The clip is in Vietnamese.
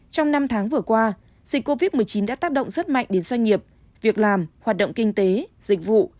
trong năm tháng vừa qua dịch covid một mươi chín đã tác động rất mạnh đến doanh nghiệp việc làm hoạt động kinh tế dịch vụ